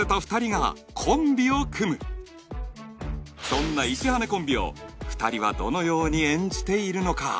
そんな石羽コンビを２人はどのように演じているのか？